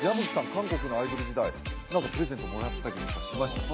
韓国のアイドル時代何かプレゼントもらったりとかしましたか？